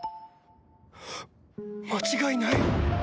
間違いない！